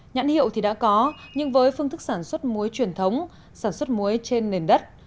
nhãn hiệu thì đã có nhưng với phương thức sản xuất muối truyền thống sản xuất muối trên nền đất